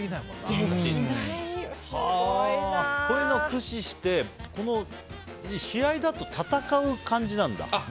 こういうのを駆使して試合だと戦う感じなんだ？